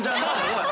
おい。